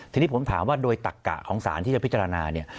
ทีนี้ผมถามว่าโดยตักกะของสารที่จะพิจารณาเนี่ย